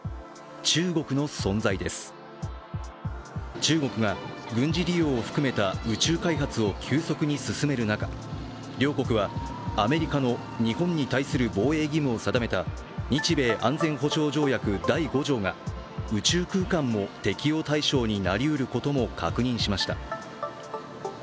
中国が軍事利用を含めた宇宙開発を急速に進める中両国はアメリカの日本に対する防衛義務を定めた日米安全保障条約第５条が宇宙空間も適用対象になりうることも確認しました。